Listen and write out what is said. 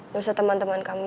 dosa teman teman kami